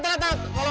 ayah minta ganti rugi